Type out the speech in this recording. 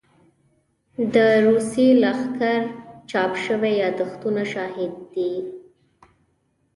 د روسي لښکرو چاپ شوي يادښتونه شاهد دي.